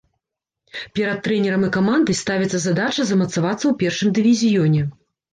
Перад трэнерам і камандай ставіцца задача замацавацца ў першым дывізіёне.